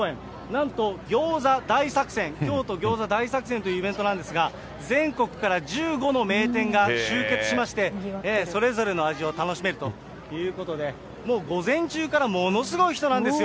なんと餃子大作戦、京都餃子大作戦というイベントなんですが、全国から１５の名店が集結しまして、それぞれの味を楽しめるということで、もう午前中からものすごい人なんですよ。